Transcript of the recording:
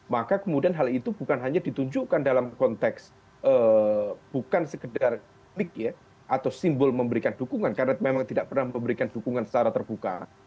maka kemudian hal itu bukan hanya ditunjukkan dalam konteks bukan sekedar pik ya atau simbol memberikan dukungan karena memang tidak pernah memberikan dukungan secara terbuka